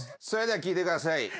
それでは聴いてください。